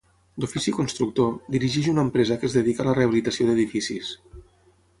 D'ofici constructor, dirigeix una empresa que es dedica a la rehabilitació d'edificis.